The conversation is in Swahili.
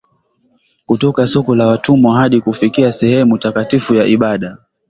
kutoka soko la Watumwa hadi kufikia sehemu takatifu ya ibada